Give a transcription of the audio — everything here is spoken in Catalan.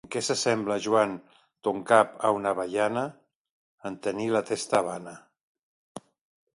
En què s'assembla, Joan, ton cap a una avellana? —En tenir la testa vana.